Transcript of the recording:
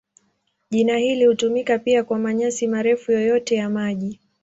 Jina hili hutumika pia kwa manyasi marefu yoyote ya maji.